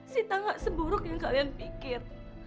sita gak seburuk yang kalian pikir